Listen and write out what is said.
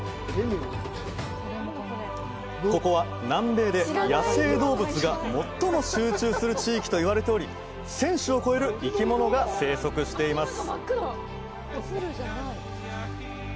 ここは南米で野生動物が最も集中する地域といわれており１０００種を超える生き物が生息しています